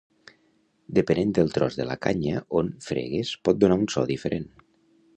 Depenent del tros de la canya on fregues pot donar un so diferent.